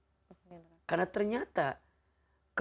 dan dia tidak bisa mencari penyakit hati yang dia hadirkan